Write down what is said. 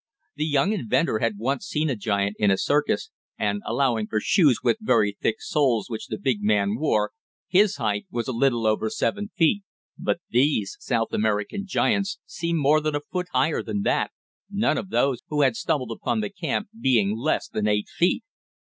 The young inventor had once seen a giant in a circus, and, allowing for shoes with very thick soles which the big man wore, his height was a little over seven feet. But these South American giants seemed more than a foot higher than that, none of those who had stumbled upon the camp being less than eight feet.